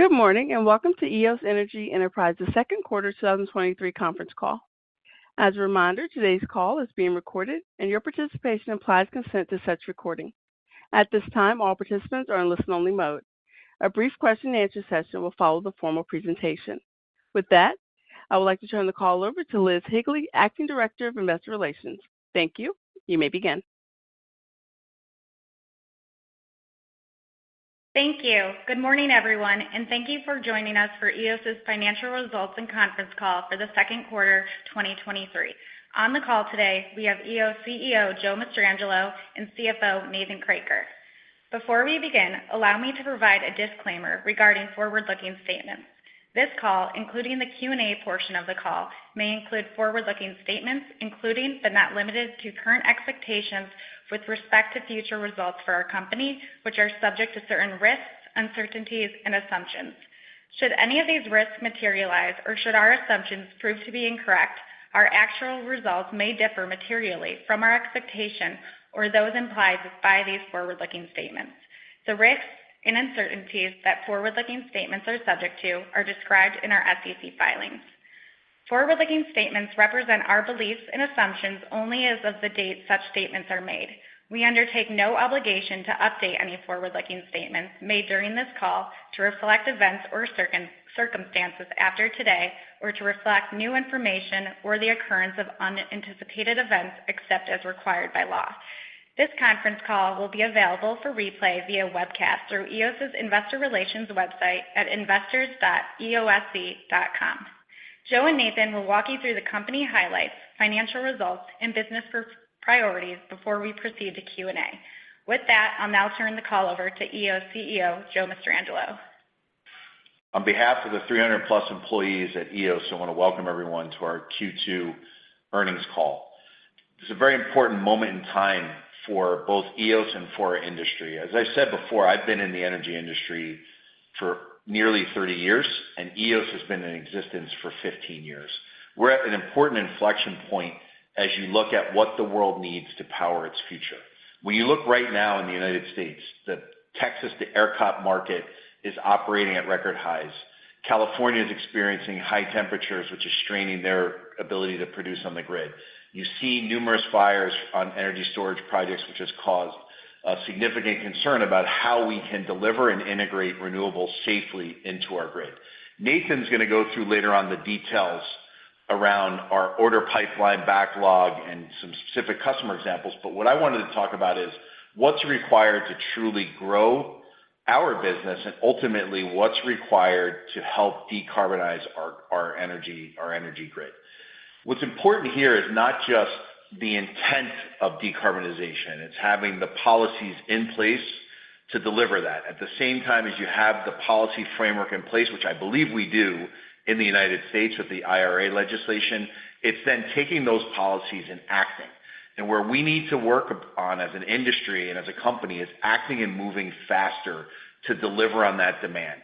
Good morning, and welcome to Eos Energy Enterprises' second quarter 2023 conference call. As a reminder, today's call is being recorded, and your participation implies consent to such recording. At this time, all participants are in listen-only mode. A brief question-and-answer session will follow the formal presentation. With that, I would like to turn the call over to Liz Higley, Acting Director of Investor Relations. Thank you. You may begin. Thank you. Good morning, everyone, and thank you for joining us for Eos's financial results and conference call for the second quarter, 2023. On the call today, we have Eos CEO, Joe Mastrangelo, and CFO, Nathan Kroeker. Before we begin, allow me to provide a disclaimer regarding forward-looking statements. This call, including the Q&A portion of the call, may include forward-looking statements, including, but not limited to current expectations with respect to future results for our company, which are subject to certain risks, uncertainties and assumptions. Should any of these risks materialize or should our assumptions prove to be incorrect, our actual results may differ materially from our expectation or those implied by these forward-looking statements. The risks and uncertainties that forward-looking statements are subject to are described in our SEC filings. Forward-looking statements represent our beliefs and assumptions only as of the date such statements are made. We undertake no obligation to update any forward-looking statements made during this call to reflect events or circumstances after today, or to reflect new information or the occurrence of unanticipated events, except as required by law. This conference call will be available for replay via webcast through Eos's Investor Relations website at investors.eose.com. Joe Mastrangelo and Nathan Kroeker will walk you through the company highlights, financial results and business priorities before we proceed to Q&A. With that, I'll now turn the call over to Eos CEO, Joe Mastrangelo. On behalf of the 300 plus employees at Eos, I want to welcome everyone to our Q2 earnings call. This is a very important moment in time for both Eos and for our industry. As I said before, I've been in the energy industry for nearly 30 years, and Eos has been in existence for 15 years. We're at an important inflection point as you look at what the world needs to power its future. When you look right now in the United States, the Texas ERCOT market is operating at record highs. California is experiencing high temperatures, which is straining their ability to produce on the grid. You see numerous fires on energy storage projects, which has caused a significant concern about how we can deliver and integrate renewables safely into our grid. Nathan's going to go through later on the details around our order pipeline backlog and some specific customer examples. What I wanted to talk about is what's required to truly grow our business and ultimately, what's required to help decarbonize our, our energy, our energy grid. What's important here is not just the intent of decarbonization, it's having the policies in place to deliver that. At the same time as you have the policy framework in place, which I believe we do in the United States with the IRA legislation, it's then taking those policies and acting. Where we need to work on as an industry and as a company, is acting and moving faster to deliver on that demand.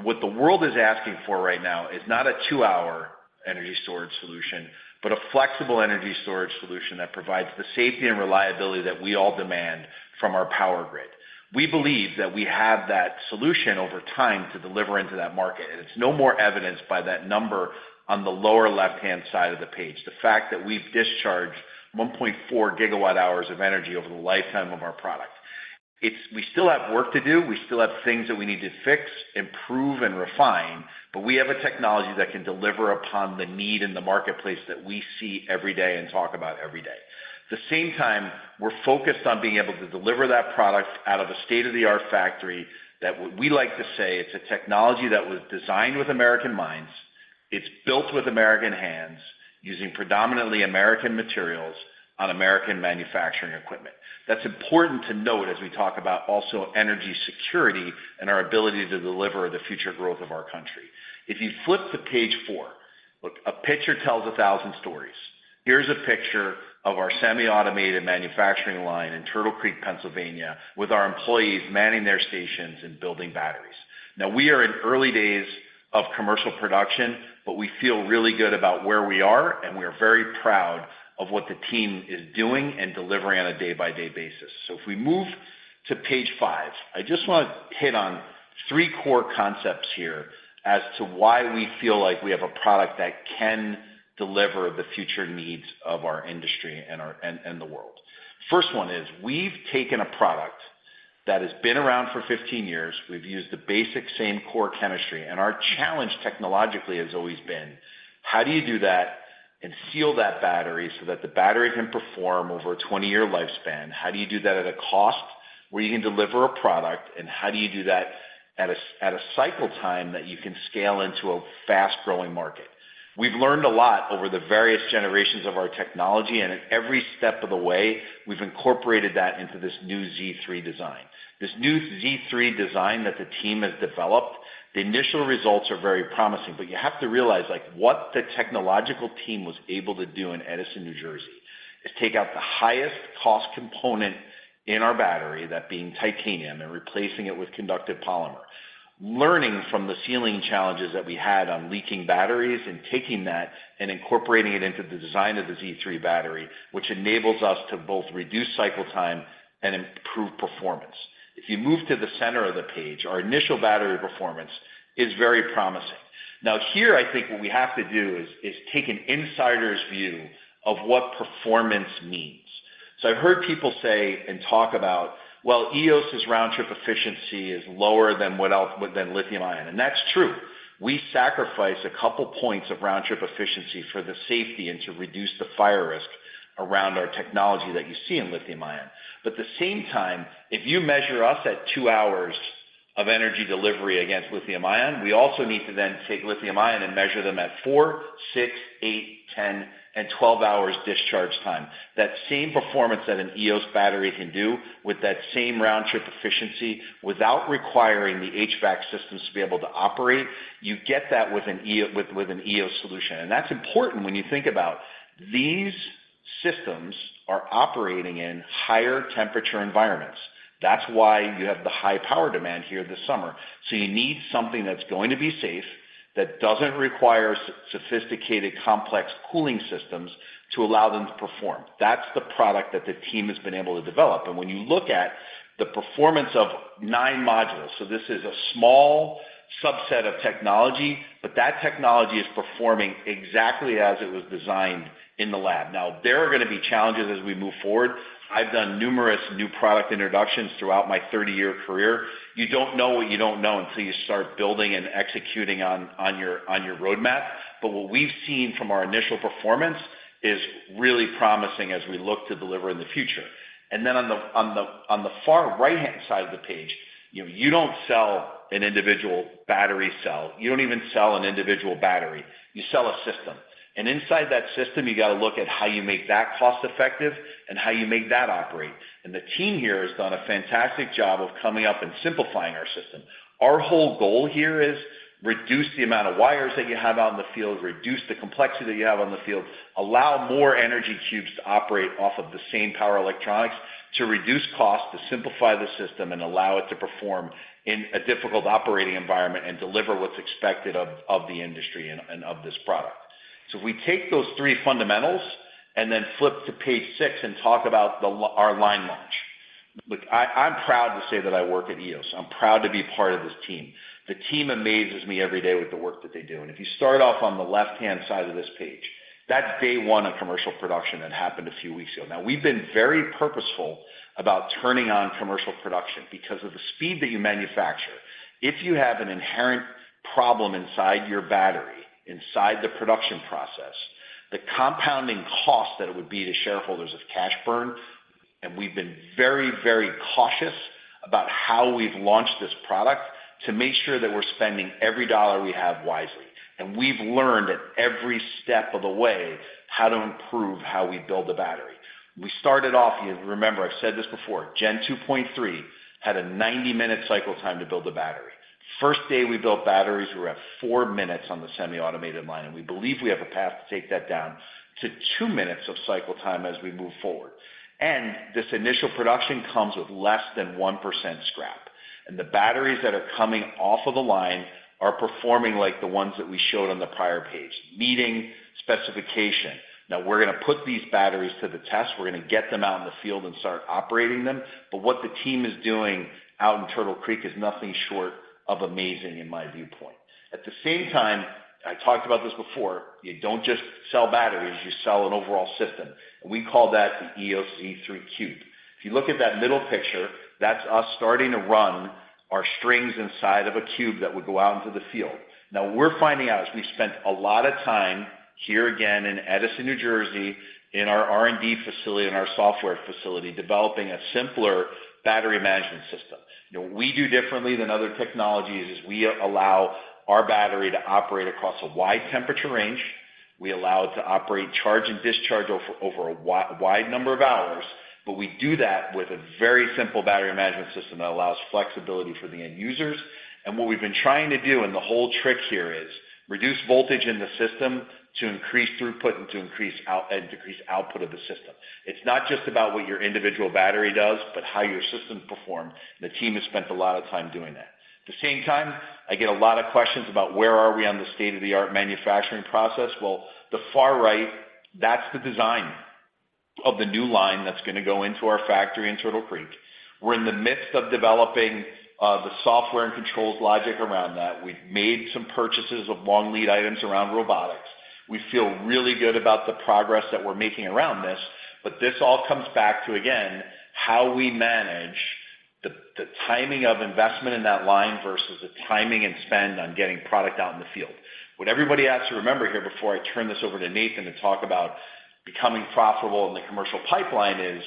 What the world is asking for right now is not a two-hour energy storage solution, but a flexible energy storage solution that provides the safety and reliability that we all demand from our power grid. We believe that we have that solution over time to deliver into that market. It's no more evidenced by that number on the lower left-hand side of the page. The fact that we've discharged 1.4 gigawatt-hours of energy over the lifetime of our product. We still have work to do. We still have things that we need to fix, improve, and refine, but we have a technology that can deliver upon the need in the marketplace that we see every day and talk about every day. At the same time, we're focused on being able to deliver that product out of a state-of-the-art factory that we like to say it's a technology that was designed with American minds, it's built with American hands, using predominantly American materials on American manufacturing equipment. That's important to note as we talk about also energy security and our ability to deliver the future growth of our country. If you flip to page four, look, a picture tells 1,000 stories. Here's a picture of our semi-automated manufacturing line in Turtle Creek, Pennsylvania, with our employees manning their stations and building batteries. Now, we are in early days of commercial production, but we feel really good about where we are, and we are very proud of what the team is doing and delivering on a day-by-day basis. If we move to page five, I just want to hit on three core concepts here as to why we feel like we have a product that can deliver the future needs of our industry and the world. First one is: We've taken a product that has been around for 15 years. We've used the basic same core chemistry, and our challenge, technologically, has always been: How do you do that and seal that battery so that the battery can perform over a 20-year lifespan? How do you do that at a cost where you can deliver a product, and how do you do that at a cycle time that you can scale into a fast-growing market? We've learned a lot over the various generations of our technology, and at every step of the way, we've incorporated that into this new Z3 design. This new Z3 design that the team has developed, the initial results are very promising, but you have to realize, like, what the technological team was able to do in Edison, New Jersey, is take out the highest cost component in our battery, that being titanium, and replacing it with conductive polymer. Learning from the sealing challenges that we had on leaking batteries and taking that and incorporating it into the design of the Z3 battery, which enables us to both reduce cycle time and improve performance. If you move to the center of the page, our initial battery performance is very promising. Now here, I think what we have to do is take an insider's view of what performance means. I've heard people say and talk about, well, Eos's round-trip efficiency is lower than lithium-ion, and that's true. We sacrifice a couple points of round-trip efficiency for the safety and to reduce the fire risk around our technology that you see in lithium-ion. At the same time, if you measure us at two hours of energy delivery against lithium-ion, we also need to then take lithium-ion and measure them at four, six, eight, 10, and 12 hours discharge time. That same performance that an Eos battery can do with that same round-trip efficiency, without requiring the HVAC systems to be able to operate, you get that with an Eos solution. That's important when you think about these systems are operating in higher temperature environments. That's why you have the high power demand here this summer. You need something that's going to be safe, that doesn't require sophisticated, complex cooling systems to allow them to perform. That's the product that the team has been able to develop. When you look at the performance of nine modules, so this is a small subset of technology, that technology is performing exactly as it was designed in the lab. Now, there are going to be challenges as we move forward. I've done numerous new product introductions throughout my 30-year career. You don't know what you don't know until you start building and executing on your roadmap. What we've seen from our initial performance is really promising as we look to deliver in the future. On the far right-hand side of the page, you know, you don't sell an individual battery cell. You don't even sell an individual battery. You sell a system. Inside that system, you got to look at how you make that cost-effective and how you make that operate. The team here has done a fantastic job of coming up and simplifying our system. Our whole goal here is reduce the amount of wires that you have out in the field, reduce the complexity that you have on the field, allow more energy cubes to operate off of the same power electronics, to reduce costs, to simplify the system, and allow it to perform in a difficult operating environment, and deliver what's expected of the industry and of this product. We take those three fundamentals and then flip to page six and talk about our line launch. Look, I, I'm proud to say that I work at Eos. I'm proud to be part of this team. The team amazes me every day with the work that they do. If you start off on the left-hand side of this page, that's day one of commercial production that happened a few weeks ago. We've been very purposeful about turning on commercial production because of the speed that you manufacture. If you have an inherent problem inside your battery, inside the production process, the compounding cost that it would be to shareholders is cash burn, and we've been very, very cautious about how we've launched this product to make sure that we're spending every dollar we have wisely. We've learned at every step of the way how to improve how we build the battery. We started off, you remember, I've said this before, Gen 2.3 had a 90-minute cycle time to build a battery. First day we built batteries, we were at four minutes on the semi-automated line. We believe we have a path to take that down to two minutes of cycle time as we move forward. This initial production comes with less than 1% scrap, and the batteries that are coming off of the line are performing like the ones that we showed on the prior page, meeting specification. Now, we're gonna put these batteries to the test. We're gonna get them out in the field and start operating them. What the team is doing out in Turtle Creek is nothing short of amazing in my viewpoint. At the same time, I talked about this before, you don't just sell batteries, you sell an overall system. We call that the Eos Z3 Cube. If you look at that middle picture, that's us starting to run our strings inside of a cube that would go out into the field. Now, we're finding out, as we spent a lot of time here again in Edison, New Jersey, in our R&D facility and our software facility, developing a simpler battery management system. You know, we do differently than other technologies, is we allow our battery to operate across a wide temperature range. We allow it to operate, charge, and discharge over, over a wide number of hours, but we do that with a very simple battery management system that allows flexibility for the end users. What we've been trying to do, and the whole trick here is, reduce voltage in the system to increase throughput and to decrease output of the system. It's not just about what your individual battery does, but how your system performs. The team has spent a lot of time doing that. At the same time, I get a lot of questions about where are we on the state-of-the-art manufacturing process? Well, the far right, that's the design of the new line that's gonna go into our factory in Turtle Creek. We're in the midst of developing the software and controls logic around that. We've made some purchases of long lead items around robotics. We feel really good about the progress that we're making around this, but this all comes back to, again, how we manage the timing of investment in that line versus the timing and spend on getting product out in the field. What everybody has to remember here, before I turn this over to Nathan to talk about becoming profitable in the commercial pipeline, is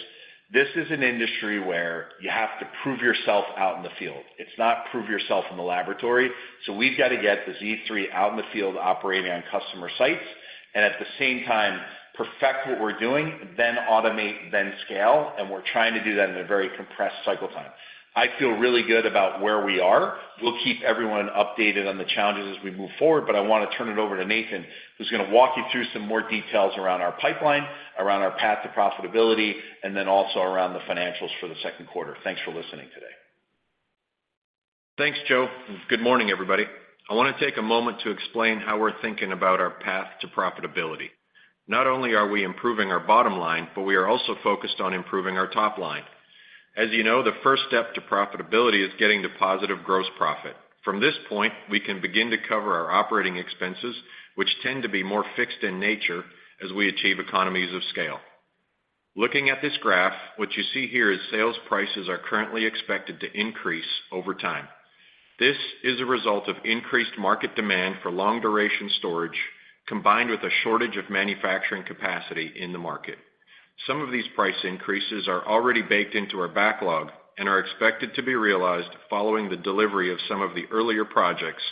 this is an industry where you have to prove yourself out in the field. It's not prove yourself in the laboratory. We've got to get the Z3 out in the field, operating on customer sites, and at the same time, perfect what we're doing, then automate, then scale, and we're trying to do that in a very compressed cycle time. I feel really good about where we are. We'll keep everyone updated on the challenges as we move forward, but I want to turn it over to Nathan, who's gonna walk you through some more details around our pipeline, around our path to profitability, and then also around the financials for the second quarter. Thanks for listening today. Thanks, Joe. Good morning, everybody. I want to take a moment to explain how we're thinking about our path to profitability. Not only are we improving our bottom line, but we are also focused on improving our top line. As you know, the first step to profitability is getting to positive gross profit. From this point, we can begin to cover our operating expenses, which tend to be more fixed in nature as we achieve economies of scale. Looking at this graph, what you see here is sales prices are currently expected to increase over time. This is a result of increased market demand for long-duration storage, combined with a shortage of manufacturing capacity in the market. Some of these price increases are already baked into our backlog and are expected to be realized following the delivery of some of the earlier projects,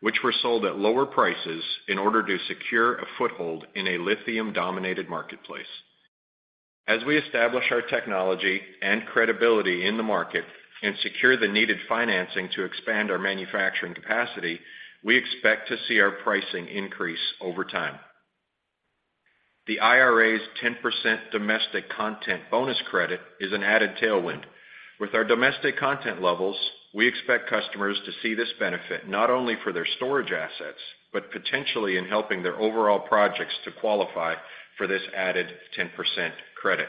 which were sold at lower prices in order to secure a foothold in a lithium-dominated marketplace. As we establish our technology and credibility in the market and secure the needed financing to expand our manufacturing capacity, we expect to see our pricing increase over time. The IRA's 10% domestic content bonus credit is an added tailwind. With our domestic content levels, we expect customers to see this benefit, not only for their storage assets, but potentially in helping their overall projects to qualify for this added 10% credit.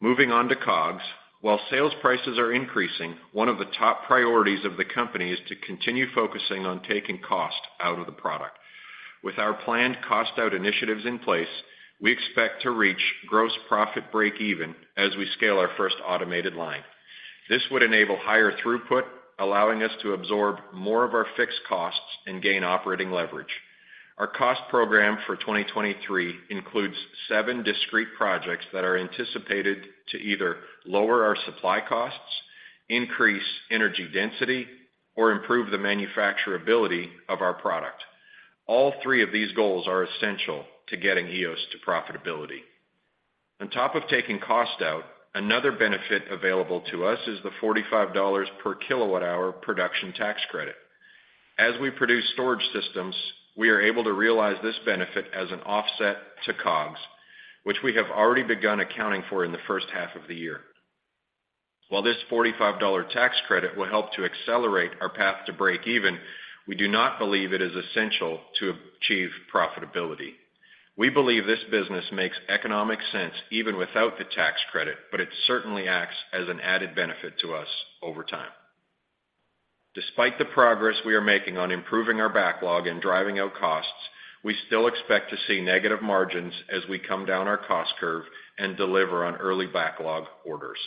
Moving on to COGS. While sales prices are increasing, one of the top priorities of the company is to continue focusing on taking cost out of the product. With our planned cost-out initiatives in place, we expect to reach gross profit break even as we scale our first automated line. This would enable higher throughput, allowing us to absorb more of our fixed costs and gain operating leverage. Our cost program for 2023 includes seven discrete projects that are anticipated to either lower our supply costs, increase energy density, or improve the manufacturability of our product. All three of these goals are essential to getting Eos to profitability. On top of taking cost out, another benefit available to us is the $45 per kWh production tax credit. As we produce storage systems, we are able to realize this benefit as an offset to COGS, which we have already begun accounting for in the first half of the year. While this $45 tax credit will help to accelerate our path to break even, we do not believe it is essential to achieve profitability. We believe this business makes economic sense even without the tax credit, it certainly acts as an added benefit to us over time. Despite the progress we are making on improving our backlog and driving out costs, we still expect to see negative margins as we come down our cost curve and deliver on early backlog orders.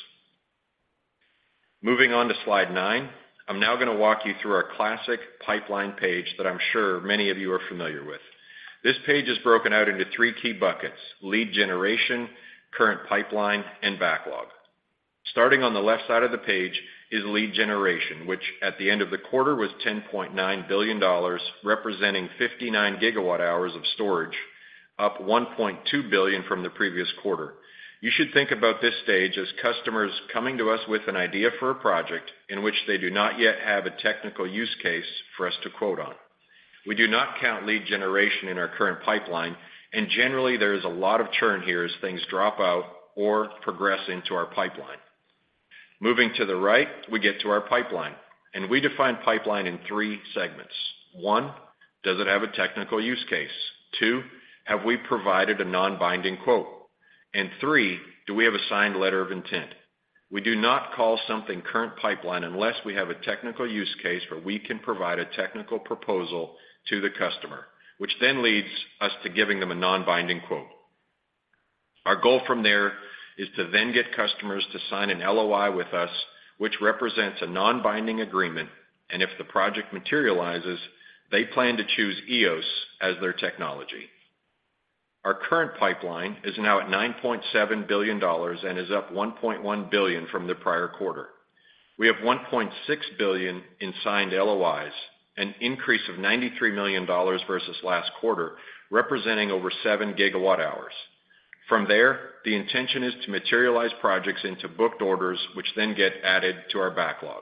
Moving on to Slide nine, I'm now going to walk you through our classic pipeline page that I'm sure many of you are familiar with. This page is broken out into three key buckets: lead generation, current pipeline, and backlog. Starting on the left side of the page is lead generation, which at the end of the quarter was $10.9 billion, representing 59 gigawatt-hours of storage, up 1.2 billion from the previous quarter. You should think about this stage as customers coming to us with an idea for a project in which they do not yet have a technical use case for us to quote on. We do not count lead generation in our current pipeline. Generally, there is a lot of churn here as things drop out or progress into our pipeline. Moving to the right, we get to our pipeline. We define pipeline in three segments. one, does it have a technical use case? two, have we provided a non-binding quote? three, do we have a signed letter of intent? We do not call something current pipeline unless we have a technical use case where we can provide a technical proposal to the customer, which then leads us to giving them a non-binding quote. Our goal from there is to then get customers to sign an LOI with us, which represents a non-binding agreement, and if the project materializes, they plan to choose Eos as their technology. Our current pipeline is now at $9.7 billion and is up 1.1 billion from the prior quarter. We have 1.6 billion in signed LOIs, an increase of $93 million versus last quarter, representing over seven gigawatt-hours. From there, the intention is to materialize projects into booked orders, which then get added to our backlog.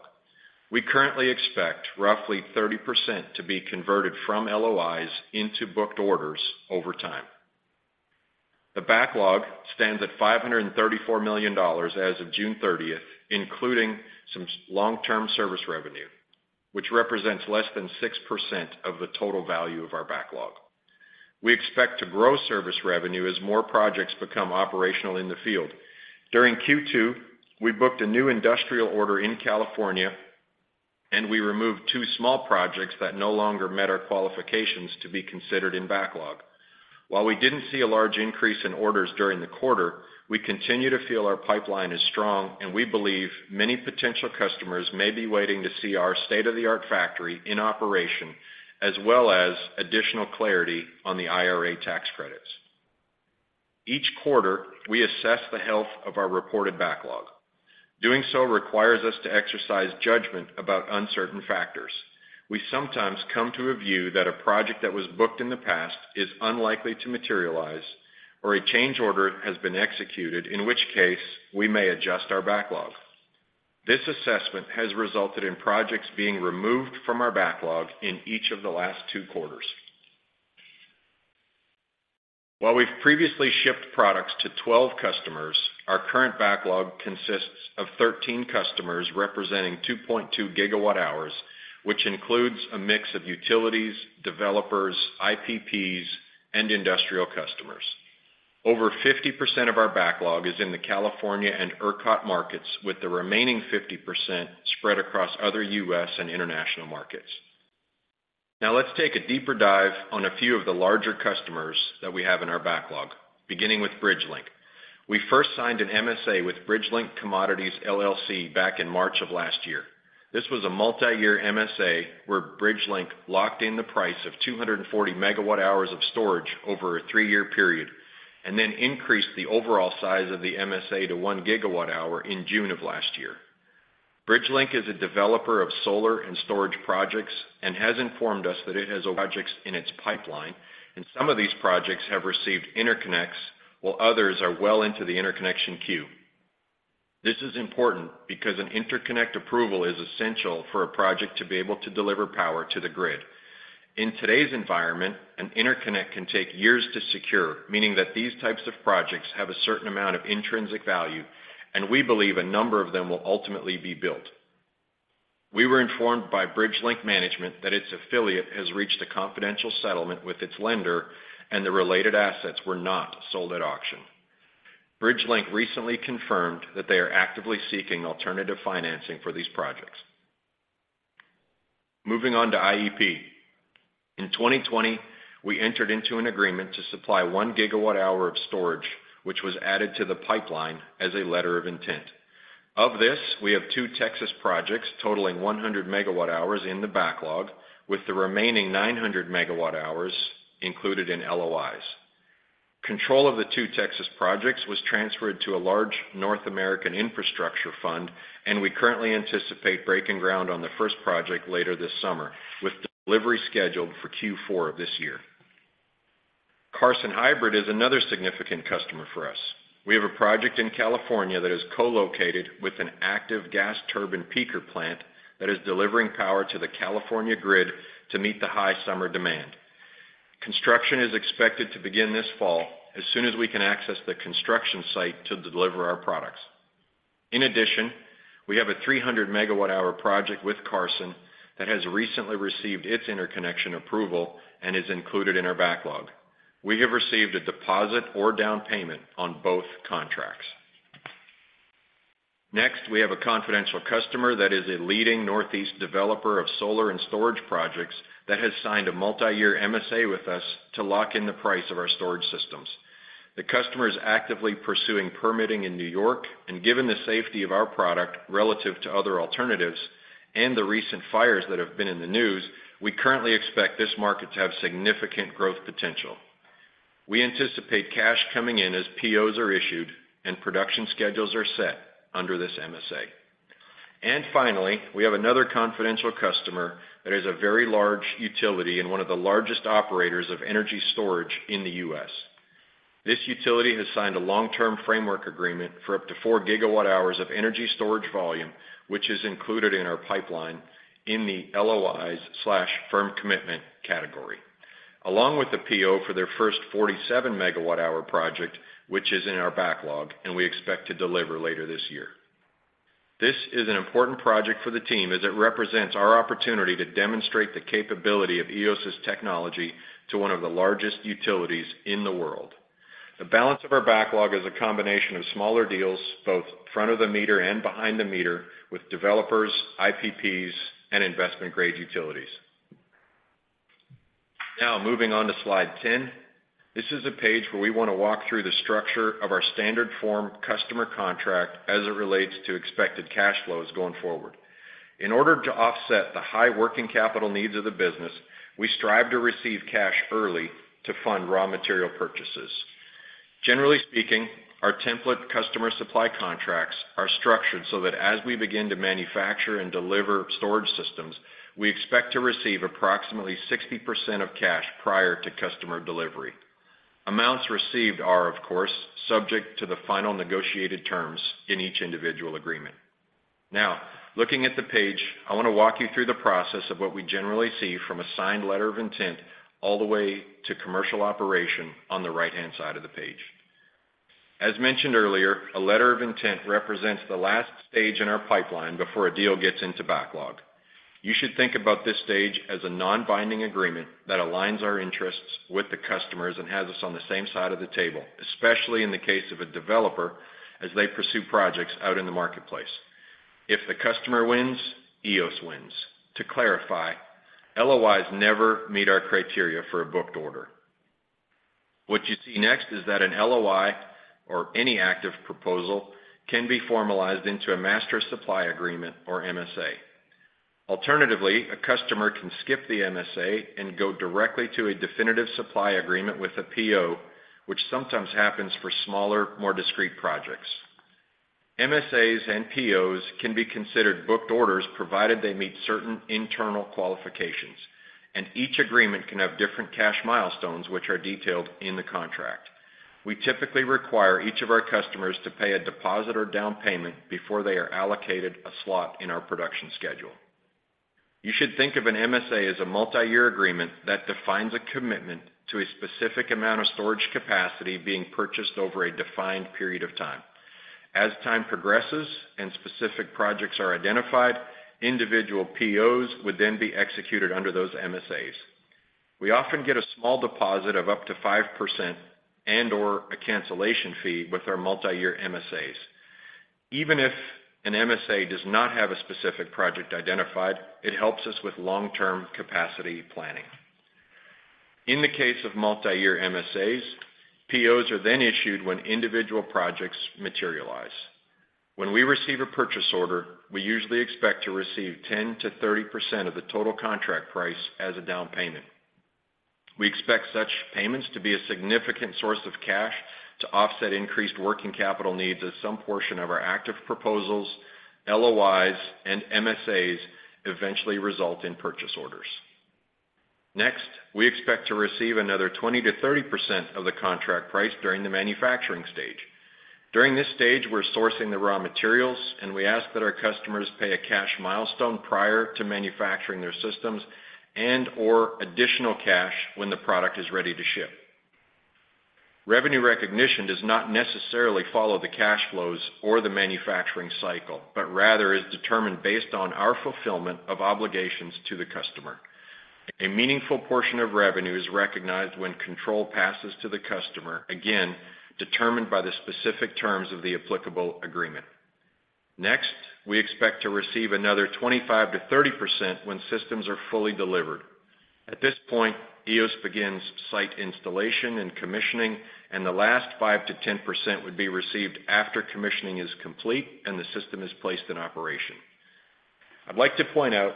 We currently expect roughly 30% to be converted from LOIs into booked orders over time. The backlog stands at $534 million as of June thirtieth, including some long-term service revenue, which represents less than 6% of the total value of our backlog. We expect to grow service revenue as more projects become operational in the field. During Q2, we booked a new industrial order in California, and we removed two small projects that no longer met our qualifications to be considered in backlog. While we didn't see a large increase in orders during the quarter, we continue to feel our pipeline is strong, and we believe many potential customers may be waiting to see our state-of-the-art factory in operation, as well as additional clarity on the IRA tax credits. Each quarter, we assess the health of our reported backlog. Doing so requires us to exercise judgment about uncertain factors. We sometimes come to a view that a project that was booked in the past is unlikely to materialize, or a change order has been executed, in which case we may adjust our backlog. This assessment has resulted in projects being removed from our backlog in each of the last two quarters. While we've previously shipped products to 12 customers, our current backlog consists of 13 customers, representing 2.2 gigawatt-hours, which includes a mix of utilities, developers, IPPs, and industrial customers. Over 50% of our backlog is in the California and ERCOT markets, with the remaining 50% spread across other U.S. and international markets. Let's take a deeper dive on a few of the larger customers that we have in our backlog, beginning with Bridgelink. We first signed an MSA with Bridgelink Commodities LLC back in March of last year. This was a multiyear MSA, where Bridgelink locked in the price of 240 megawatt-hours of storage over a three-year period, and then increased the overall size of the MSA to one gigawatt-hour in June of last year. Bridgelink is a developer of solar and storage projects and has informed us that it has projects in its pipeline, and some of these projects have received interconnects, while others are well into the interconnection queue. This is important because an interconnect approval is essential for a project to be able to deliver power to the grid. In today's environment, an interconnect can take years to secure, meaning that these types of projects have a certain amount of intrinsic value, and we believe a number of them will ultimately be built. We were informed by Bridgelink management that its affiliate has reached a confidential settlement with its lender, and the related assets were not sold at auction. Bridgelink recently confirmed that they are actively seeking alternative financing for these projects. Moving on to IEP. In 2020, we entered into an agreement to supply one gigawatt-hour of storage, which was added to the pipeline as a letter of intent. Of this, we have 2 Texas projects totaling 100 megawatt-hours in the backlog, with the remaining 900 megawatt-hours included in LOIs. Control of the two Texas projects was transferred to a large North American infrastructure fund, and we currently anticipate breaking ground on the first project later this summer, with delivery scheduled for Q4 of this year. Carson Hybrid is another significant customer for us. We have a project in California that is co-located with an active gas turbine peaker plant that is delivering power to the California grid to meet the high summer demand. Construction is expected to begin this fall, as soon as we can access the construction site to deliver our products. We have a 300 megawatt-hour project with Carson that has recently received its interconnection approval and is included in our backlog. We have received a deposit or down payment on both contracts. We have a confidential customer that is a leading Northeast developer of solar and storage projects that has signed a multiyear MSA with us to lock in the price of our storage systems. The customer is actively pursuing permitting in New York, given the safety of our product relative to other alternatives and the recent fires that have been in the news, we currently expect this market to have significant growth potential. We anticipate cash coming in as POs are issued and production schedules are set under this MSA. Finally, we have another confidential customer that is a very large utility and one of the largest operators of energy storage in the U.S. This utility has signed a long-term framework agreement for up to four gigawatt-hours of energy storage volume, which is included in our pipeline in the LOIs/firm commitment category, along with the PO for their first 47 megawatt-hour project, which is in our backlog, and we expect to deliver later this year. This is an important project for the team, as it represents our opportunity to demonstrate the capability of Eos's technology to one of the largest utilities in the world. The balance of our backlog is a combination of smaller deals, both front of the meter and behind the meter, with developers, IPPs, and investment-grade utilities. Moving on to slide 10. This is a page where we want to walk through the structure of our standard form customer contract as it relates to expected cash flows going forward. In order to offset the high working capital needs of the business, we strive to receive cash early to fund raw material purchases. Generally speaking, our template customer supply contracts are structured so that as we begin to manufacture and deliver storage systems, we expect to receive approximately 60% of cash prior to customer delivery. Amounts received are, of course, subject to the final negotiated terms in each individual agreement. Looking at the page, I want to walk you through the process of what we generally see from a signed letter of intent all the way to commercial operation on the right-hand side of the page. As mentioned earlier, a letter of intent represents the last stage in our pipeline before a deal gets into backlog. You should think about this stage as a non-binding agreement that aligns our interests with the customers and has us on the same side of the table, especially in the case of a developer, as they pursue projects out in the marketplace. If the customer wins, Eos wins. To clarify, LOIs never meet our criteria for a booked order. What you see next is that an LOI or any active proposal can be formalized into a master supply agreement or MSA. Alternatively, a customer can skip the MSA and go directly to a definitive supply agreement with a PO, which sometimes happens for smaller, more discrete projects. MSAs and POs can be considered booked orders, provided they meet certain internal qualifications, and each agreement can have different cash milestones, which are detailed in the contract. We typically require each of our customers to pay a deposit or down payment before they are allocated a slot in our production schedule. You should think of an MSA as a multiyear agreement that defines a commitment to a specific amount of storage capacity being purchased over a defined period of time. As time progresses and specific projects are identified, individual POs would then be executed under those MSAs. We often get a small deposit of up to 5% and or a cancellation fee with our multi-year MSAs. Even if an MSA does not have a specific project identified, it helps us with long-term capacity planning. In the case of multi-year MSAs, POs are issued when individual projects materialize. When we receive a purchase order, we usually expect to receive 10%-30% of the total contract price as a down payment. We expect such payments to be a significant source of cash to offset increased working capital needs as some portion of our active proposals, LOIs, and MSAs eventually result in purchase orders. Next, we expect to receive another 20%-30% of the contract price during the manufacturing stage. During this stage, we're sourcing the raw materials, and we ask that our customers pay a cash milestone prior to manufacturing their systems and or additional cash when the product is ready to ship. Revenue recognition does not necessarily follow the cash flows or the manufacturing cycle, but rather is determined based on our fulfillment of obligations to the customer. A meaningful portion of revenue is recognized when control passes to the customer, again, determined by the specific terms of the applicable agreement. Next, we expect to receive another 25%-30% when systems are fully delivered. At this point, Eos begins site installation and commissioning, and the last 5%-10% would be received after commissioning is complete and the system is placed in operation. I'd like to point out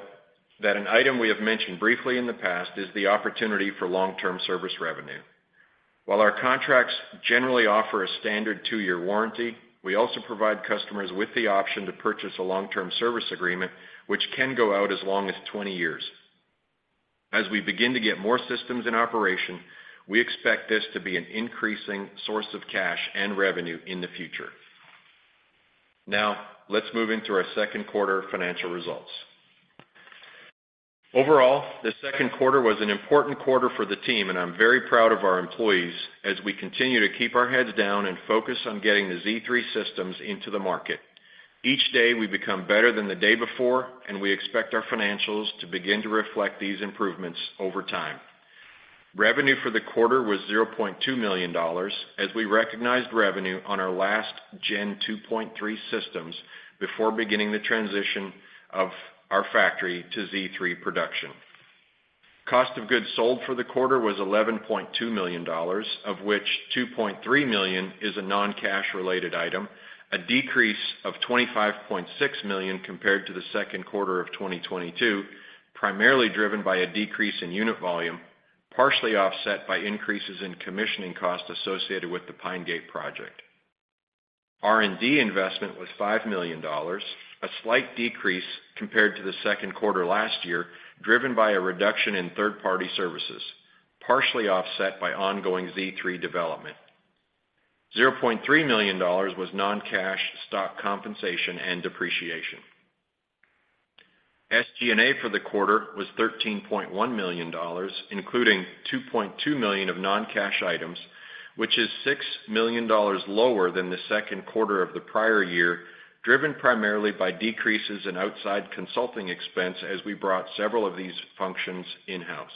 that an item we have mentioned briefly in the past is the opportunity for long-term service revenue. While our contracts generally offer a standard two-year warranty, we also provide customers with the option to purchase a long-term service agreement, which can go out as long as 20 years. As we begin to get more systems in operation, we expect this to be an increasing source of cash and revenue in the future. Now, let's move into our second quarter financial results. Overall, the second quarter was an important quarter for the team, and I'm very proud of our employees as we continue to keep our heads down and focus on getting the Z3 systems into the market. Each day, we become better than the day before, and we expect our financials to begin to reflect these improvements over time. Revenue for the quarter was $0.2 million, as we recognized revenue on our last Gen 2.3 systems before beginning the transition of our factory to Z3 production. Cost of goods sold for the quarter was $11.2 million, of which 2.3 million is a non-cash related item, a decrease of 25.6 million compared to the second quarter of 2022, primarily driven by a decrease in unit volume, partially offset by increases in commissioning costs associated with the Pine Gate project. R&D investment was $5 million, a slight decrease compared to the second quarter last year, driven by a reduction in third-party services, partially offset by ongoing Z3 development. $0.3 million was non-cash, stock compensation, and depreciation. SG&A for the quarter was $13.1 million, including 2.2 million of non-cash items, which is $6 million lower than the second quarter of the prior year, driven primarily by decreases in outside consulting expense as we brought several of these functions in-house.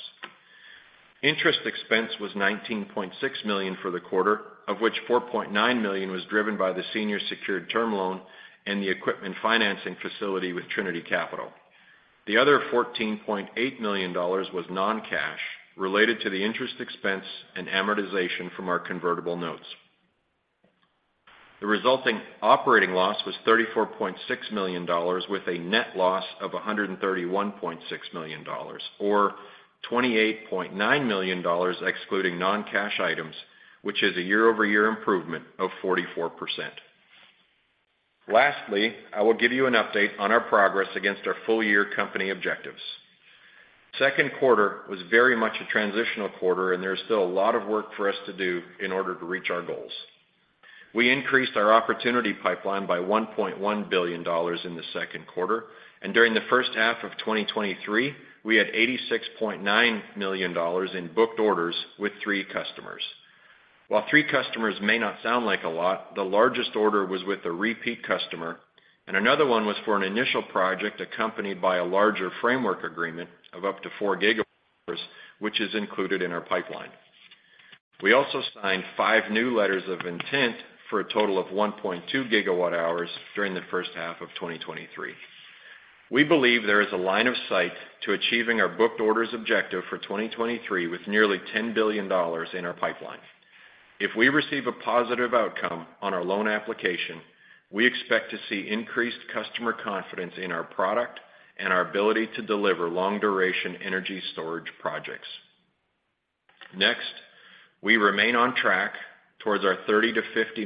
Interest expense was 19.6 million for the quarter, of which 4.9 million was driven by the senior secured term loan and the equipment financing facility with Trinity Capital. The other $14.8 million was non-cash related to the interest expense and amortization from our convertible notes. The resulting operating loss was $34.6 million, with a net loss of $131.6 million, or $28.9 million, excluding non-cash items, which is a year-over-year improvement of 44%. Lastly, I will give you an update on our progress against our full-year company objectives. Second quarter was very much a transitional quarter. There's still a lot of work for us to do in order to reach our goals. We increased our opportunity pipeline by $1.1 billion in the second quarter. During the first half of 2023, we had $86.9 million in booked orders with three customers. While three customers may not sound like a lot, the largest order was with a repeat customer. Another one was for an initial project accompanied by a larger framework agreement of up to four gigawatts, which is included in our pipeline. We also signed five new letters of intent for a total of 1.2 gigawatt-hours during the first half of 2023. We believe there is a line of sight to achieving our booked orders objective for 2023, with nearly $10 billion in our pipeline. If we receive a positive outcome on our loan application, we expect to see increased customer confidence in our product and our ability to deliver long-duration energy storage projects. We remain on track towards our $30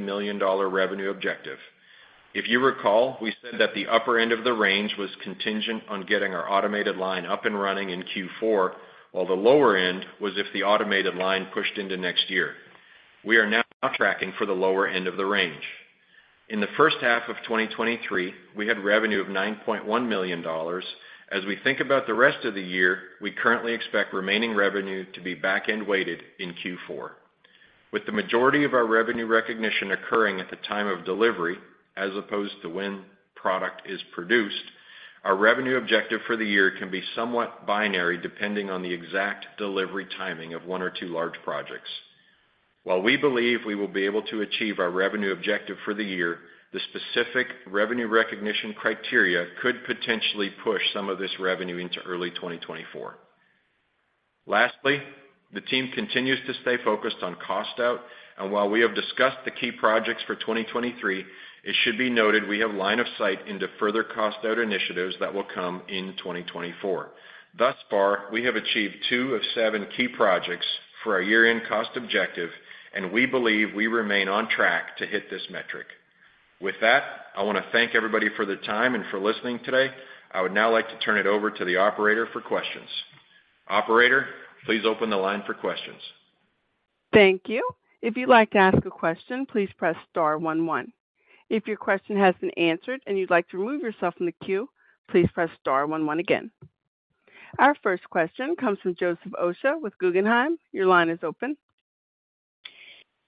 million-$50 million revenue objective. If you recall, we said that the upper end of the range was contingent on getting our automated line up and running in Q4, while the lower end was if the automated line pushed into next year. We are now tracking for the lower end of the range. In the first half of 2023, we had revenue of $9.1 million. As we think about the rest of the year, we currently expect remaining revenue to be back-end weighted in Q4. ...With the majority of our revenue recognition occurring at the time of delivery, as opposed to when product is produced, our revenue objective for the year can be somewhat binary, depending on the exact delivery timing of one or two large projects. While we believe we will be able to achieve our revenue objective for the year, the specific revenue recognition criteria could potentially push some of this revenue into early 2024. Lastly, the team continues to stay focused on cost out, and while we have discussed the key projects for 2023, it should be noted we have line of sight into further cost-out initiatives that will come in 2024. Thus far, we have achieved two of seven key projects for our year-end cost objective, and we believe we remain on track to hit this metric. With that, I want to thank everybody for their time and for listening today. I would now like to turn it over to the operator for questions. Operator, please open the line for questions. Thank you. If you'd like to ask a question, please press star one one. If your question has been answered and you'd like to remove yourself from the queue, please press star one one again. Our first question comes from Joseph Osha with Guggenheim. Your line is open.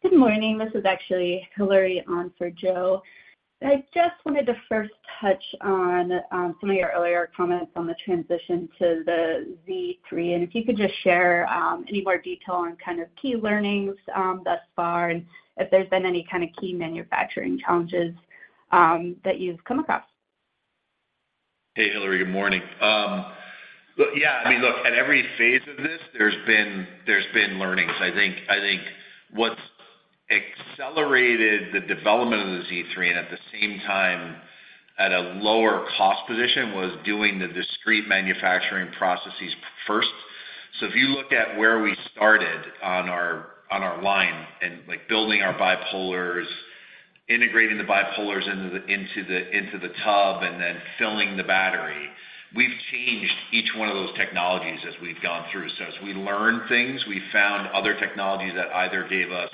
Good morning. This is actually Hilary on for Joe. I just wanted to first touch on some of your earlier comments on the transition to the Z3, and if you could just share any more detail on kind of key learnings thus far, and if there's been any kind of key manufacturing challenges that you've come across. Hey, Hilary, good morning. I mean, look, at every phase of this, there's been learnings. I think, I think what's accelerated the development of the Z3 and at the same time, at a lower cost position, was doing the discrete manufacturing processes first. If you look at where we started on our line and, like, building our bipolars, integrating the bipolars into the tub, and then filling the battery, we've changed each one of those technologies as we've gone through. As we learn things, we found other technologies that either gave us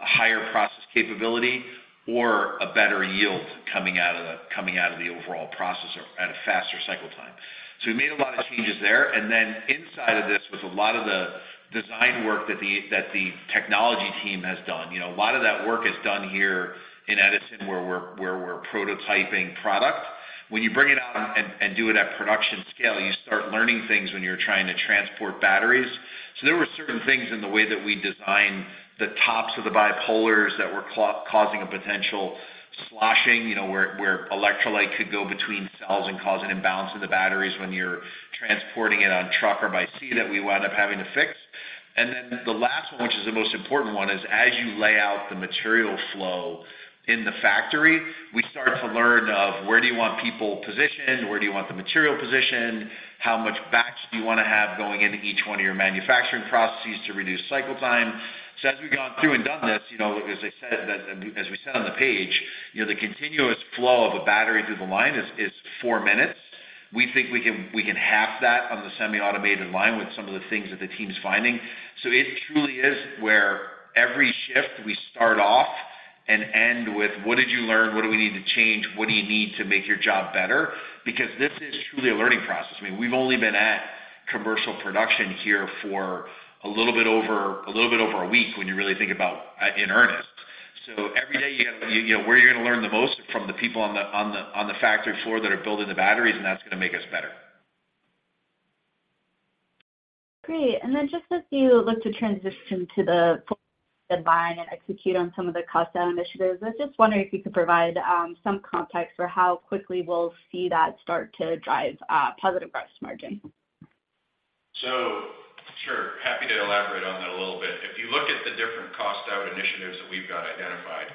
a higher process capability or a better yield coming out of the overall process or at a faster cycle time. We made a lot of changes there. Inside of this was a lot of the design work that the technology team has done. You know, a lot of that work is done here in Edison, where we're prototyping product. When you bring it out and do it at production scale, you start learning things when you're trying to transport batteries. There were certain things in the way that we designed the tops of the bipolars that were causing a potential sloshing, you know, where electrolyte could go between cells and cause an imbalance in the batteries when you're transporting it on truck or by sea, that we wound up having to fix. The last one, which is the most important one, is as you lay out the material flow in the factory, we start to learn of where do you want people positioned, where do you want the material positioned, how much batch do you wanna have going into each one of your manufacturing processes to reduce cycle time? As we've gone through and done this, you know, as I said, as we said on the page, you know, the continuous flow of a battery through the line is four minutes. We think we can half that on the semi-automated line with some of the things that the team is finding. It truly is where every shift we start off and end with, what did you learn? What do we need to change? What do you need to make your job better? This is truly a learning process. I mean, we've only been at commercial production here for a little bit over, a little bit over a week when you really think about in earnest. Every day, you know, where you're gonna learn the most from the people on the, on the, on the factory floor that are building the batteries, and that's gonna make us better. Great. Then just as you look to transition to the full line and execute on some of the cost down initiatives, I was just wondering if you could provide some context for how quickly we'll see that start to drive positive gross margin. Sure, happy to elaborate on that a little bit. If you look at the different cost-out initiatives that we've got identified,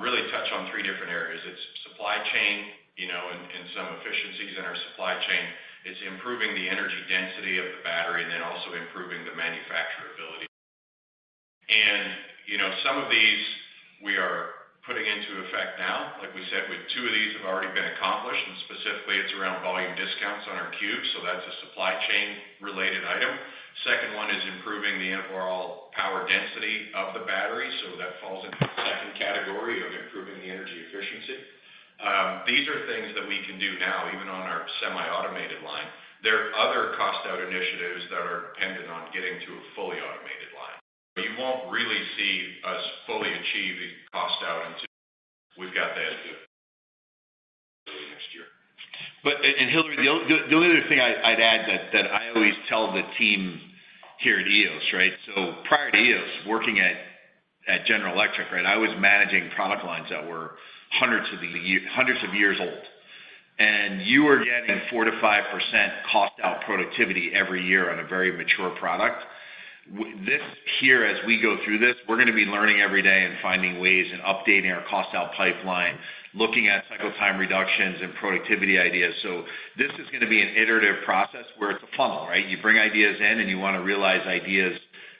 really touch on thretwo different areas. It's supply chain, you know, and some efficiencies in our supply chain. It's improving the energy density of the battery, then also improving the manufacturability. You know, some of these we are putting into effect now. Like we said, two of these have already been accomplished, and specifically, it's around volume discounts on our cubes, so that's a supply chain-related item. Second one is improving the overall power density of the battery, so that falls into the second category of improving the energy efficiency. These are things that we can do now, even on our semi-automated line. There are other cost-out initiatives that are dependent on getting to a fully automated line. You won't really see us fully achieving cost out until we've got that early next year. Hilary, the only other thing I'd add that I always tell the team here at Eos, right? Prior to Eos, working at General Electric, right, I was managing product lines that were hundreds of years old, and you were getting 4%-5% cost out productivity every year on a very mature product. This here, as we go through this, we're gonna be learning every day and finding ways and updating our cost out pipeline, looking at cycle time reductions and productivity ideas. This is gonna be an iterative process where it's a funnel, right? You bring ideas in, and you wanna realize ideas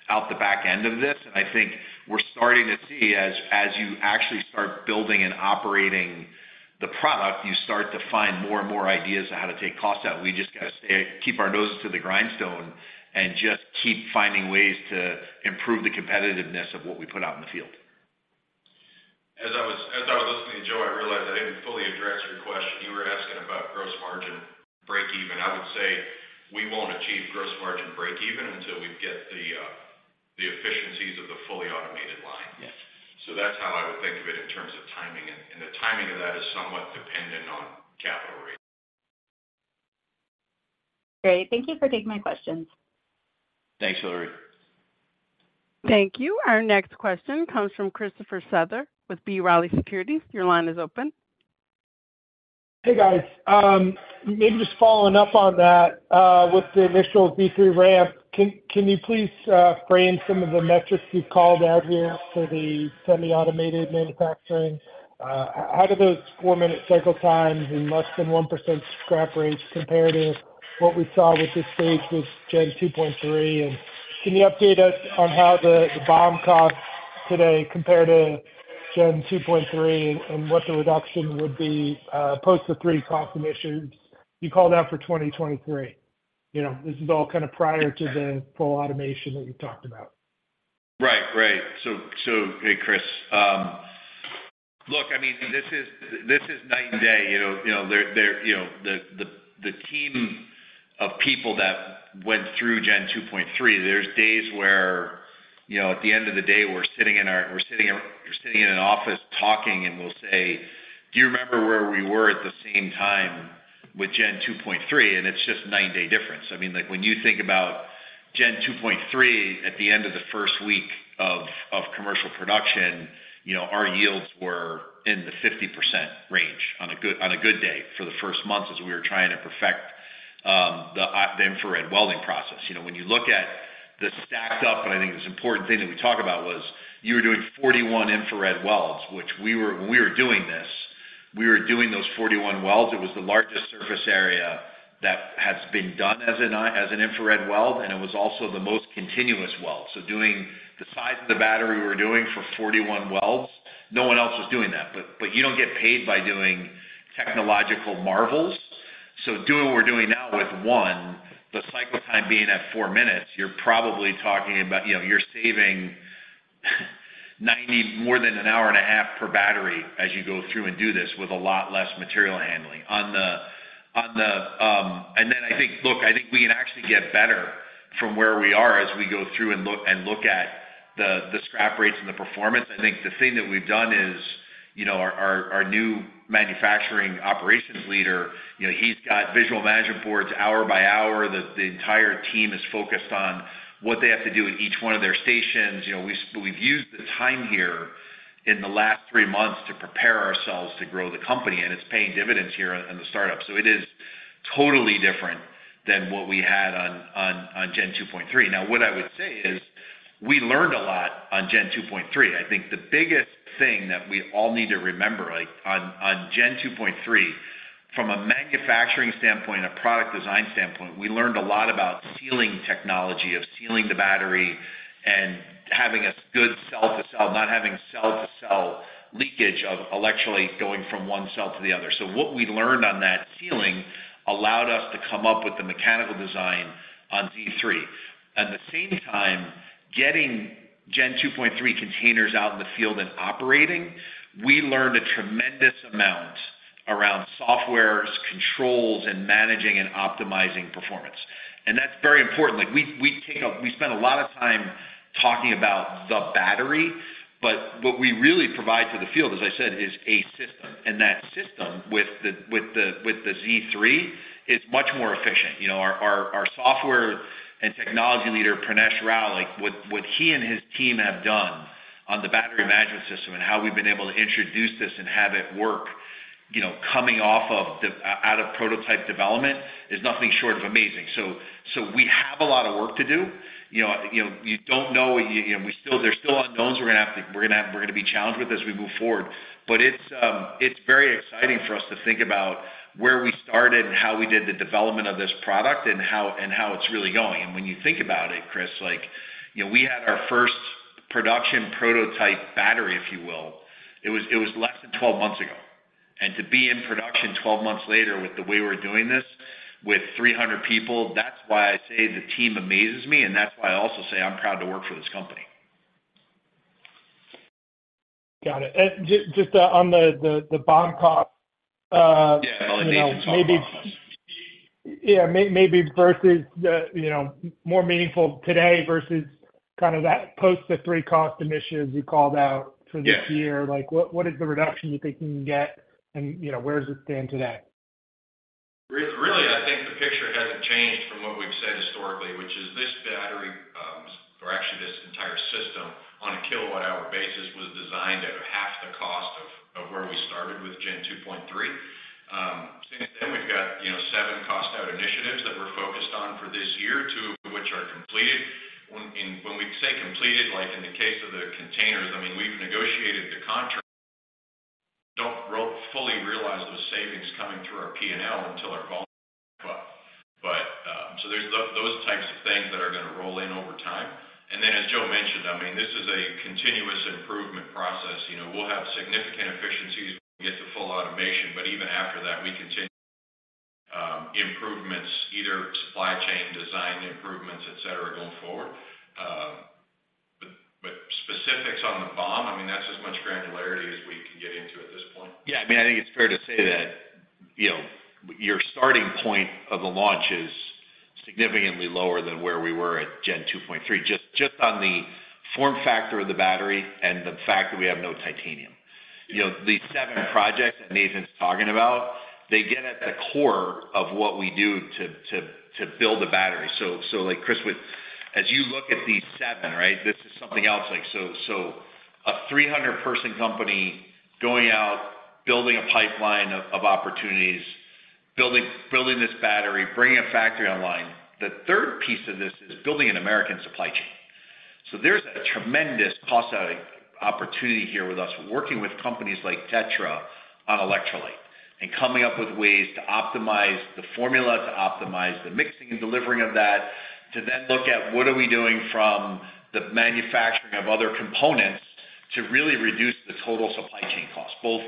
out the back end of this. I think we're starting to see as, as you actually start building and operating the product, you start to find more and more ideas on how to take costs out. We just got to keep our noses to the grindstone and just keep finding ways to improve the competitiveness of what we put out in the field. As I was, as I was listening to Joe, I realized I didn't fully address your question. You were asking about gross margin breakeven. I would say we won't achieve gross margin breakeven until we get the efficiencies of the fully automated line. Yes. That's how I would think of it in terms of timing, and the timing of that is somewhat dependent on capital rates. Great. Thank you for taking my questions. Thanks, Hilary. Thank you. Our next question comes from Christopher Souther with B. Riley Securities. Your line is open. Hey, guys. Maybe just following up on that, with the initial Z3 ramp, can, can you please frame some of the metrics you've called out here for the semi-automated manufacturing? How do those four-minute cycle times and less than 1% scrap rates compare to what we saw with this stage with Gen 2.3, and can you update us on how the, the BOM costs today compare to Gen 2.3, and what the reduction would be post the 3 cost initiatives you called out for 2023? You know, this is all kind of prior to the full automation that you talked about. Right. Right. Hey, Chris, look, I mean, this is, this is night and day, you know, you know, there, you know, the, the, the team of people that went through Gen 2.3, there's days where, you know, at the end of the day, we're sitting in, we're sitting in an office talking, and we'll say: "Do you remember where we were at the same time with Gen 2.3?" And it's just night and day difference. I mean, like, when you think about Gen 2.3, at the end of the first week of, of commercial production, you know, our yields were in the 50% range on a good, on a good day for the first month, as we were trying to perfect, the infrared welding process. You know, when you look at the stacked up, and I think the important thing that we talked about was, you were doing 41 infrared welds, which we were when we were doing this, we were doing those 41 welds. It was the largest surface area that has been done as an as an infrared weld, and it was also the most continuous weld. Doing the size of the battery we were doing for 41 welds, no one else was doing that. You don't get paid by doing technological marvels. Doing what we're doing now with one, the cycle time being at four minutes, you're probably talking about, you know, you're saving More than an hour and a half per battery as you go through and do this with a lot less material handling. I think look, I think we can actually get better from where we are as we go through and look, and look at the scrap rates and the performance. I think the thing that we've done is, you know, our new manufacturing operations leader, you know, he's got visual management boards hour by hour, that the entire team is focused on what they have to do at each one of their stations. You know, we've, we've used the time here in the last three months to prepare ourselves to grow the company, and it's paying dividends here on the startup. It is totally different than what we had on Gen 2.3. What I would say is, we learned a lot on Gen 2.3. I think the biggest thing that we all need to remember, like, on, on Gen 2.3, from a manufacturing standpoint and a product design standpoint, we learned a lot about sealing technology, of sealing the battery and having a good cell to cell, not having cell-to-cell leakage of electrolyte going from one cell to the other. What we learned on that sealing allowed us to come up with the mechanical design on Z3. At the same time, getting Gen 2.3 containers out in the field and operating, we learned a tremendous amount around softwares, controls, and managing and optimizing performance. That's very important. Like, we, we take we spend a lot of time talking about the battery, but what we really provide to the field, as I said, is a system. That system, with the, with the, with the Z3, is much more efficient. You know, our, our, our software and technology leader, Pranesh Rao, like, what, what he and his team have done on the battery management system and how we've been able to introduce this and have it work, you know, coming off of the out of prototype development, is nothing short of amazing. So we have a lot of work to do. You know, you know, you don't know, you know, we still, there's still unknowns we're going to have to, we're going to be challenged with as we move forward. It's very exciting for us to think about where we started and how we did the development of this product and how, and how it's really going. When you think about it, Chris, like, you know, we had our first production prototype battery, if you will. It was, it was less than 12 months ago. To be in production 12 months later with the way we're doing this, with 300 people, that's why I say the team amazes me, and that's why I also say I'm proud to work for this company. Got it. just, on the, the, the BOM cost. Yeah. You know, maybe... Talk about it. Yeah, maybe versus the, you know, more meaningful today versus kind of that post the three cost initiatives you called out for this year. Yes. Like, what is the reduction you think you can get? You know, where does it stand today? Really, I think the picture hasn't changed from what we've said historically, which is this battery, or actually this entire system, on a kilowatt-hour basis, was designed at half the cost of, of where we started with Gen 2.3. Since then, we've got, you know, seven cost-out initiatives that we're focused on for this year, two of which are completed. When, and when we say completed, like in the case of the containers, I mean, we've negotiated the contract. Don't fully realize those savings coming through our P&L until our volume goes up. So there's those types of things that are going to roll in over time. As Joe mentioned, I mean, this is a continuous improvement process. You know, we'll have significant efficiencies when we get to full automation, but even after that, we continue- either supply chain design improvements, et cetera, going forward. But specifics on the BOM, I mean, that's as much granularity as we can get into at this point. Yeah, I mean, I think it's fair to say that, you know, your starting point of the launch is significantly lower than where we were at Gen 2.3, just on the form factor of the battery and the fact that we have no titanium. You know, the seven projects that Nathan's talking about, they get at the core of what we do to build a battery. Like, Chris, as you look at these seven, right, this is something else. Like, so a 300 person company going out, building a pipeline of opportunities, building this battery, bringing a factory online. The third piece of this is building an American supply chain. There's a tremendous possibility, opportunity here with us working with companies like Tetra on electrolyte, and coming up with ways to optimize the formula, to optimize the mixing and delivering of that, to then look at what are we doing from the manufacturing of other components to really reduce the total supply chain costs, both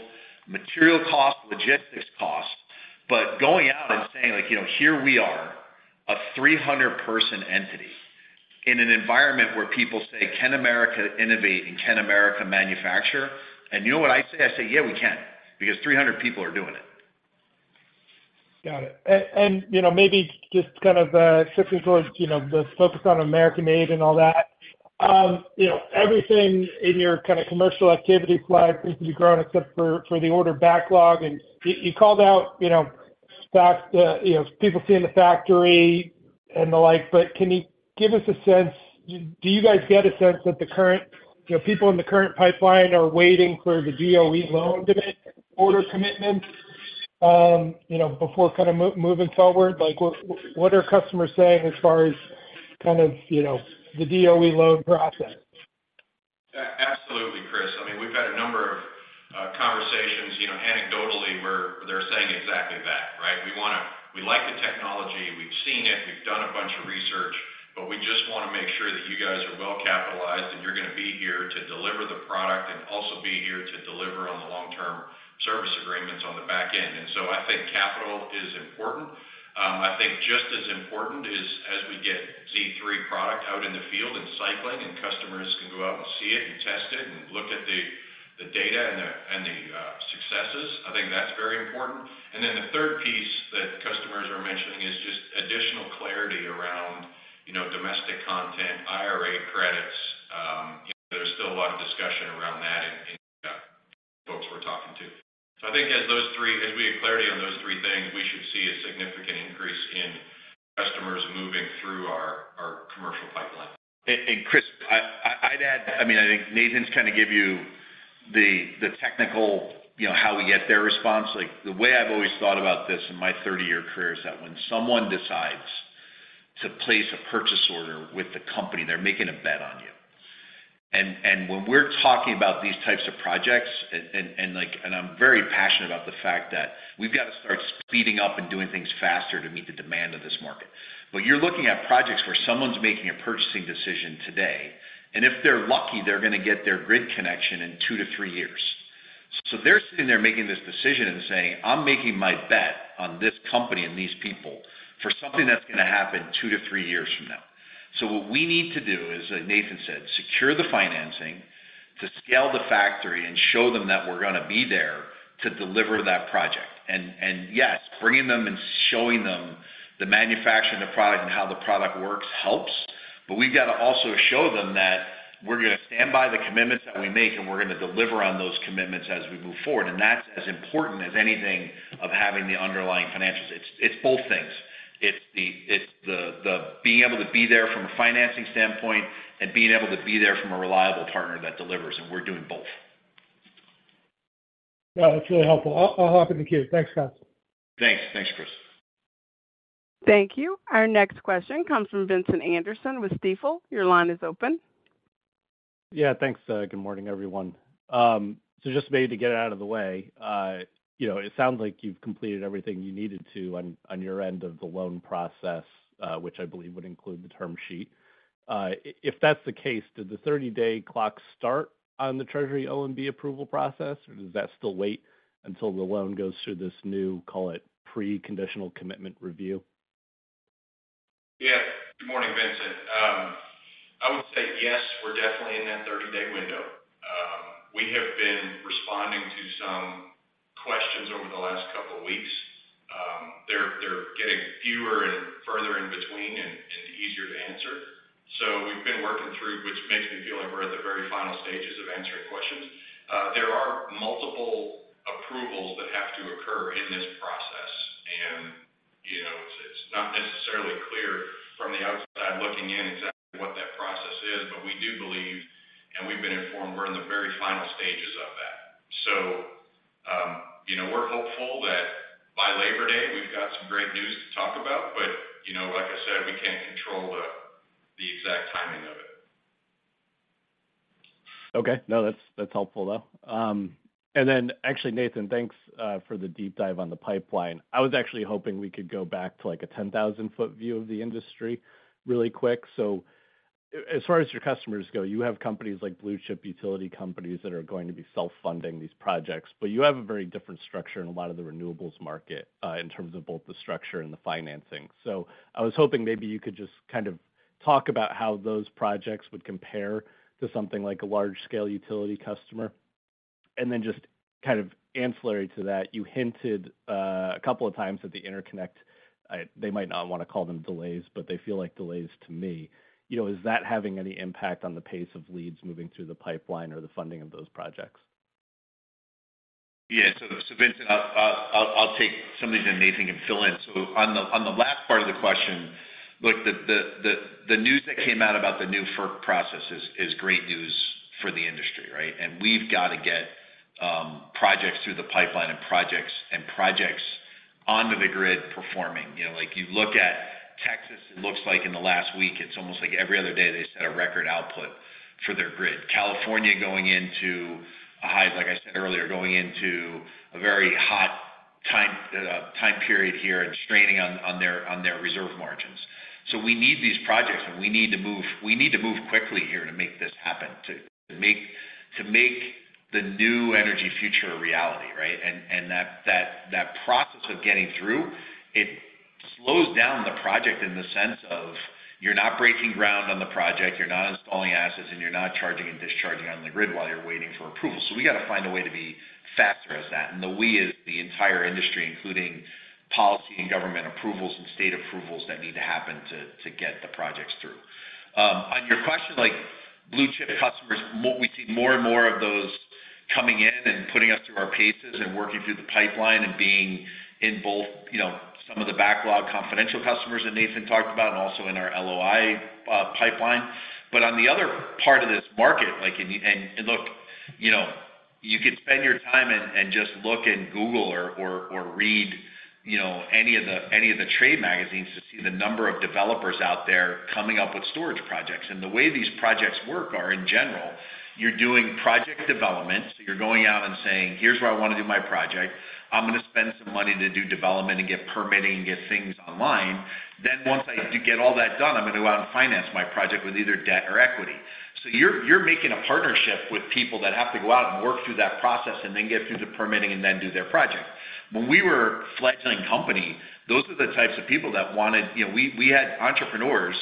material costs, logistics costs. Going out and saying, like, "You know, here we are, a 300 person entity," in an environment where people say, "Can America innovate, and can America manufacture?" You know what I say? I say, "Yeah, we can," because 300 people are doing it. Got it. You know, maybe just kind of shifting towards, you know, the focus on American-made and all that. You know, everything in your kind of commercial activity flag seems to be growing except for the order backlog. You called out, you know, fact, you know, people seeing the factory and the like, but can you give us a sense, do you guys get a sense that the current, you know, people in the current pipeline are waiting for the DOE loan commitment, order commitment, you know, before kind of moving forward? Like, what, what are customers saying as far as kind of, you know, the DOE loan process? Absolutely, Chris. I mean, we've had a number of conversations, you know, anecdotally, where they're saying exactly that, right? We wanna we like the technology, we've seen it, we've done a bunch of research, we just wanna make sure that you guys are well-capitalized, and you're gonna be here to deliver the product and also be here to deliver on the long-term service agreements on the back end. I think capital is important. I think just as important is as we get Z3 product out in the field and cycling, and customers can go out and see it and test it and look at the, the data and the, and the successes, I think that's very important. Then the third piece that customers are mentioning is just additional clarity around, you know, domestic content, IRA credits. you know, there's still a lot of discussion around that in, in, folks we're talking to. I think as we get clarity on those three things, we should see a significant increase in customers moving through our, our commercial pipeline. Chris, I, I, I'd add, I mean, I think Nathan's kind of give you the technical, you know, how we get there response. Like, the way I've always thought about this in my 30-year career is that when someone decides to place a purchase order with the company, they're making a bet on you. When we're talking about these types of projects, and like, I'm very passionate about the fact that we've got to start speeding up and doing things faster to meet the demand of this market. You're looking at projects where someone's making a purchasing decision today, and if they're lucky, they're gonna get their grid connection in two-three years. They're sitting there making this decision and saying, "I'm making my bet on this company and these people for something that's gonna happen two to three years from now." What we need to do is, as Nathan said, secure the financing, to scale the factory and show them that we're gonna be there to deliver that project. Yes, bringing them and showing them the manufacturing, the product, and how the product works, helps. We've got to also show them that we're gonna stand by the commitments that we make, and we're gonna deliver on those commitments as we move forward. That's as important as anything of having the underlying financials. It's both things. It's the being able to be there from a financing standpoint and being able to be there from a reliable partner that delivers, and we're doing both. Yeah, that's really helpful. I'll, I'll hop in the queue. Thanks, guys. Thanks. Thanks, Chris. Thank you. Our next question comes from Vincent Anderson with Stifel. Your line is open. Yeah, thanks. Good morning, everyone. Just maybe to get it out of the way, you know, it sounds like you've completed everything you needed to on, on your end of the loan process, which I believe would include the term sheet. If that's the case, did the 30-day clock start on the Treasury OMB approval process, or does that still wait until the loan goes through this new, call it, pre-conditional commitment review? Yeah. Good morning, Vincent. I would say, yes, we're definitely in that 30-day window. We have been responding to some questions over the last couple of weeks. They're, they're getting fewer and further in between and, and easier to answer. We've been working through, which makes me feel like we're at the very final stages of answering questions. There are multiple approvals that have to occur in this process, and, you know, it's, it's not necessarily clear from the outside looking in exactly what that process is, but we do believe, and we've been informed, we're in the very final stages of that. You know, we're hopeful that by Labor Day, we've got some great news to talk about, but, you know, like I said, we can't control the, the exact timing of it. Okay. No, that's, that's helpful, though. Then actually, Nathan, thanks, for the deep dive on the pipeline. I was actually hoping we could go back to, like, a 10,000 foot view of the industry really quick. As far as your customers go, you have companies like blue-chip utility companies that are going to be self-funding these projects, but you have a very different structure in a lot of the renewables market, in terms of both the structure and the financing. I was hoping maybe you could just kind of talk about how those projects would compare to something like a large-scale utility customer. Then just kind of ancillary to that, you hinted, a couple of times at the interconnect. They might not want to call them delays, but they feel like delays to me. You know, is that having any impact on the pace of leads moving through the pipeline or the funding of those projects? Yeah. Vincent, I'll, I'll, I'll take some of these, and Nathan can fill in. On the, on the last part of the question, look, the, the, the, the news that came out about the new FERC process is, is great news for the industry, right? We've got to get projects through the pipeline and projects, and projects onto the grid performing. You know, like, you look at Texas, it looks like in the last week, it's almost like every other day, they set a record output for their grid. California, going into a high, like I said earlier, going into a very hot time, time period here and straining on, on their, on their reserve margins. We need these projects, and we need to move. We need to move quickly here to make this happen, to make, to make the new energy future a reality, right? That, that, that process of getting through, it slows down the project in the sense of you're not breaking ground on the project, you're not installing assets, and you're not charging and discharging on the grid while you're waiting for approval. We got to find a way to be faster as that, and the we is the entire industry, including policy and government approvals and state approvals that need to happen to, to get the projects through. On your question, like, blue-chip customers, we see more and more of those coming in and putting us through our paces and working through the pipeline and being in both, you know, some of the backlog, confidential customers that Nathan talked about and also in our LOI pipeline. On the other part of this market, like, and look, you know, you could spend your time and just look in Google or read, you know, any of the, any of the trade magazines to see the number of developers out there coming up with storage projects. The way these projects work are, in general, you're doing project development, so you're going out and saying, "Here's where I want to do my project. I'm going to spend some money to do development and get permitting and get things online. Once I get all that done, I'm going to go out and finance my project with either debt or equity. You're, you're making a partnership with people that have to go out and work through that process and then get through the permitting and then do their project. When we were a fledgling company, those are the types of people that wanted. You know, we had entrepreneurs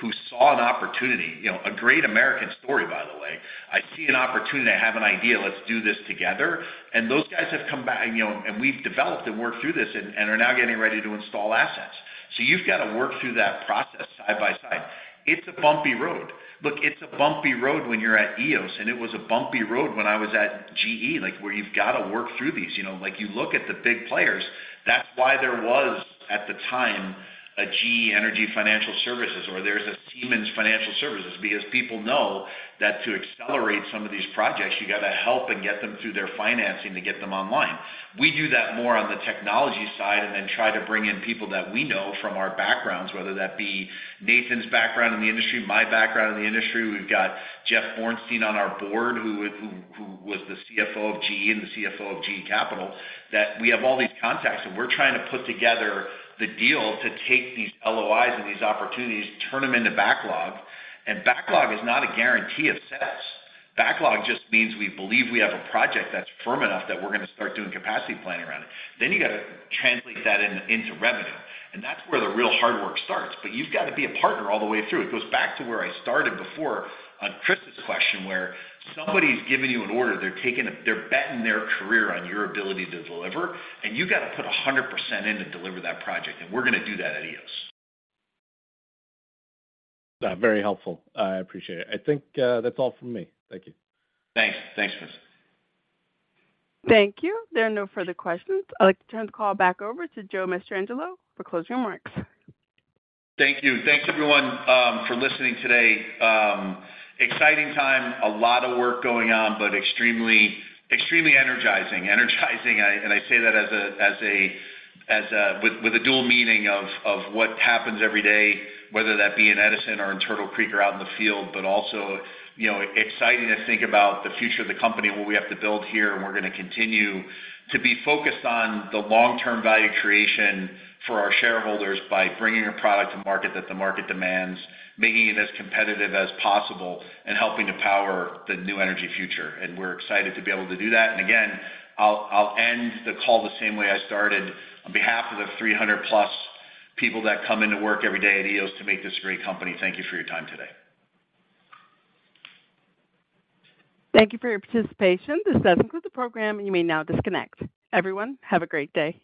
who saw an opportunity, you know, a great American story, by the way. I see an opportunity. I have an idea. Let's do this together. Those guys have come back, and, you know, we've developed and worked through this and are now getting ready to install assets. You've got to work through that process side by side. It's a bumpy road. Look, it's a bumpy road when you're at Eos, and it was a bumpy road when I was at GE, like, where you've got to work through these. You know, like, you look at the big players. That's why there was, at the time, a GE Energy Financial Services, or there's a Siemens Financial Services, because people know that to accelerate some of these projects, you got to help and get them through their financing to get them online. We do that more on the technology side and then try to bring in people that we know from our backgrounds, whether that be Nathan's background in the industry, my background in the industry. We've got Jeff Bornstein on our board, who was the CFO of GE and the CFO of GE Capital, that we have all these contacts, and we're trying to put together the deal to take these LOIs and these opportunities to turn them into backlog. Backlog is not a guarantee of success. Backlog just means we believe we have a project that's firm enough that we're going to start doing capacity planning around it. You got to translate that into revenue, and that's where the real hard work starts. You've got to be a partner all the way through. It goes back to where I started before on Chris's question, where somebody's giving you an order, they're taking they're betting their career on your ability to deliver, and you got to put 100% in to deliver that project, and we're going to do that at Eos. Very helpful. I appreciate it. I think that's all from me. Thank you. Thanks. Thanks, Vincent. Thank you. There are no further questions. I'd like to turn the call back over to Joe Mastrangelo for closing remarks. Thank you. Thanks, everyone, for listening today. Exciting time. A lot of work going on, but extremely, extremely energizing. Energizing. I say that with a dual meaning of what happens every day, whether that be in Edison or in Turtle Creek or out in the field, but also, you know, exciting to think about the future of the company and what we have to build here, and we're going to continue to be focused on the long-term value creation for our shareholders by bringing a product to market that the market demands, making it as competitive as possible, and helping to power the new energy future. We're excited to be able to do that. Again, I'll, I'll end the call the same way I started. On behalf of the 300+ people that come into work every day at Eos to make this a great company, thank you for your time today. Thank you for your participation. This does conclude the program. You may now disconnect. Everyone, have a great day.